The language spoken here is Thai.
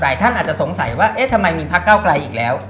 หลายท่านอาจจะสงสัยว่าทำไมมีพักกล้าวไก่อีกแล้ว